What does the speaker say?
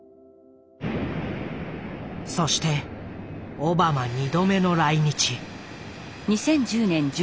そしてオバマ２度目の来日。